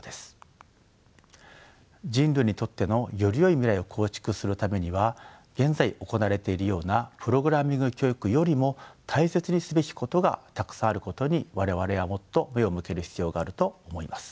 人類にとってのよりよい未来を構築するためには現在行われているようなプログラミング教育よりも大切にすべきことがたくさんあることに我々はもっと目を向ける必要があると思います。